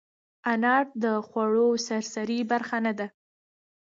انار د خوړو سرسري برخه نه ده.